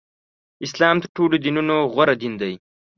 اسلام تر ټولو دینونو غوره دین دی.